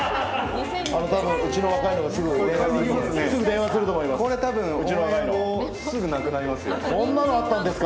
うちの若いのがすぐ電話すると思います。